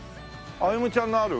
歩夢ちゃんのある？